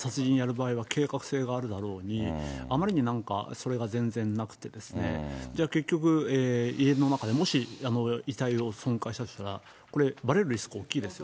場合は、計画性があるだろうに、あまりになんか、それが全然なくて、じゃあ、結局、家の中で、もし遺体を損壊したとしたら、これ、ばれるリスク、大きいですよ。